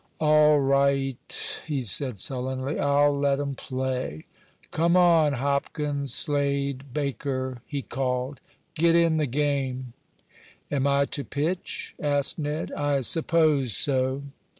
"All right," he said, sullenly. "I'll let 'em play. Come on, Hopkins Slade Baker!" he called. "Get in the game." "Am I to pitch?" asked Ned. "I suppose so."